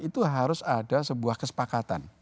itu harus ada sebuah kesepakatan